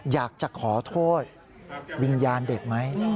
อยากจะขอโทษวิญญาณเด็กไหม